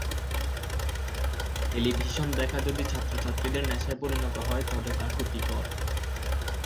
Television দেখা যদি ছাত্রছাত্রীদের নেশায় পরিণত হয়, তবে তা ক্ষতিকর।